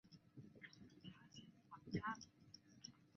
峨眉吊石苣苔为苦苣苔科吊石苣苔属下的一个种。